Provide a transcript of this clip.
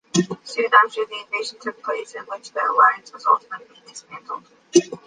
Soon after, "The Invasion" took place, in which The Alliance was ultimately dismantled.